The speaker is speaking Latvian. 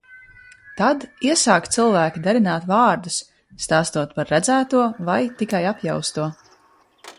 Tad ies?k cilv?ki darin?t v?rdus, st?stot par redz?to vai tikai apjausto.